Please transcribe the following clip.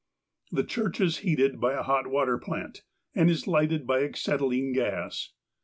The church is heated by a hot water plant, and is lighted by acetylene gas.